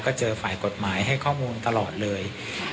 ก็เจอฝ่ายกฎหมายให้ข้อมูลตลอดเลย